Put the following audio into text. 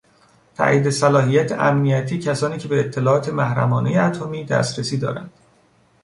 تایید صلاحیت امنیتی کسانی که به اطلاعات محرمانهی اتمی دسترسی دارند